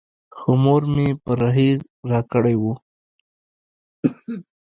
خو مور مې پرهېز راکړی و.